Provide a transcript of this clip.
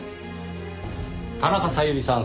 田中小百合さん